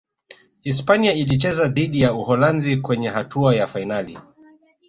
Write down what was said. hispania ilicheza dhidi ya Uholanzi kwenye hatua ya fainali